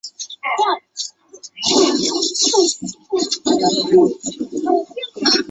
靖远钟鼓楼的历史年代为民国。